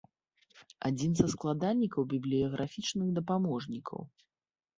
Адзін са складальнікаў бібліяграфічных дапаможнікаў.